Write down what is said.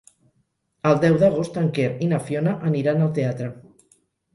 El deu d'agost en Quer i na Fiona aniran al teatre.